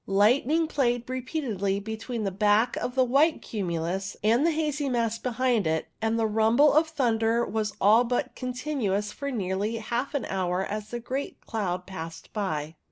Light ning played repeatedly between the back of the white cumulus and the hazy mass behind it, and the rumble of thunder was all but continuous for nearly half an hour as the great cloud passed by.